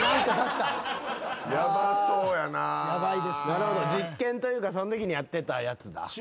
なるほど実験というかそんときにやってたやつだ。